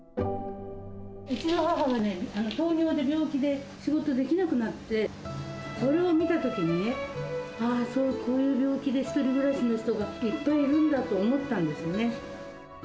うちの母がね、糖尿で、病気で、仕事できなくなって、それを見たときにね、ああ、そういう病気で１人暮らしの人がいっぱいいるんだと思ったんですね。